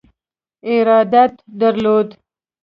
ارادت درلود.